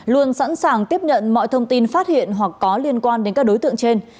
luôn sẵn sàng tiếp nhận mọi thông tin phát hiện hoặc có liên quan đến các đối tượng trên